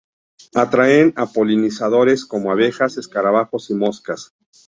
Atraen a polinizadores, como abejas, escarabajos y moscas.